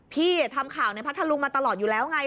พี่ทำข่าวในพัทธรุงมาตลอดอยู่แล้วไง